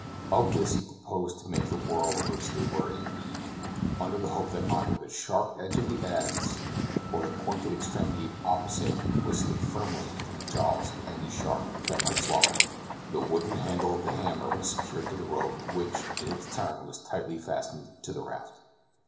Of this he proposed to make the whirl of which they were in need, under the hope that either the sharp edge of the adze or the pointed extremity opposite would stick firmly into the jaws of any shark that might swallow it. The wooden handle of the hammer was secured to the rope, which, in its turn was tightly fastened to the raft.